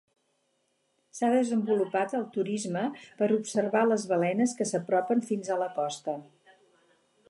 S'ha desenvolupat el turisme per observar les balenes que s'apropen fins a la costa.